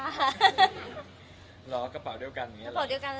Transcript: รอกระเป๋าเดียวกัน